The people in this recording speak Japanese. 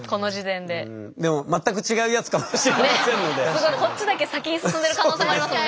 すごいこっちだけ先に進んでる可能性もありますもんね